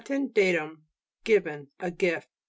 datum, given, a gift.